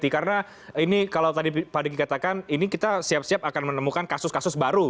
karena ini kalau tadi pak diki katakan ini kita siap siap akan menemukan kasus kasus baru